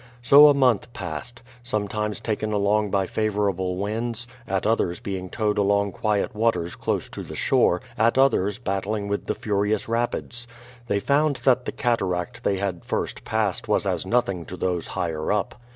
So a month passed sometimes taken along by favorable winds, at others being towed along quiet waters close to the shore, at others battling with the furious rapids. They found that the cataract they had first passed was as nothing to those higher up.